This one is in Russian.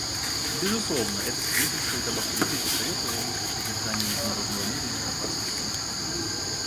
Безусловно, это свидетельствует об авторитете Совета в области поддержания международного мира и безопасности.